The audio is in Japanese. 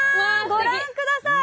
ご覧ください！